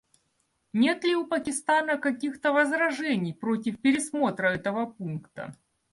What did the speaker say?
Нет ли у Пакистана каких-то возражений против пересмотра этого пункта?